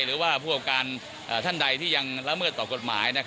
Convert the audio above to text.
หรือว่าผู้ประกอบการท่านใดที่ยังละเมิดต่อกฎหมาย